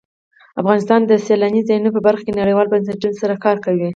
افغانستان د سیلانی ځایونه په برخه کې نړیوالو بنسټونو سره کار کوي.